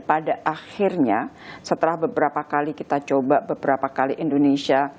pada akhirnya setelah beberapa kali kita coba beberapa kali indonesia